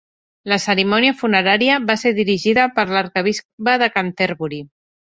La cerimònia funerària va ser dirigida per l'arquebisbe de Canterbury.